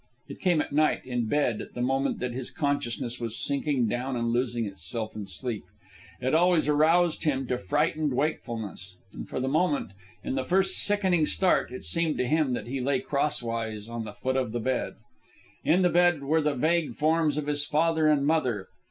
It came at night, in bed, at the moment that his consciousness was sinking down and losing itself in sleep. It always aroused him to frightened wakefulness, and for the moment, in the first sickening start, it seemed to him that he lay crosswise on the foot of the bed. In the bed were the vague forms of his father and mother.